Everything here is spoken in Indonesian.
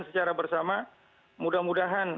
secara bersama mudah mudahan